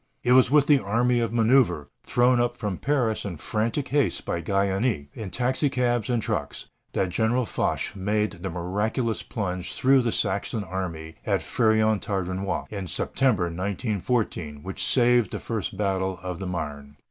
It was with the "army of manœuvre," thrown up from Paris in frantic haste by Galliéni, in taxicabs and trucks, that General Foch made the miraculous plunge through the Saxon army at Fère en Tardenois, in September, 1914, which saved the first battle of the Marne.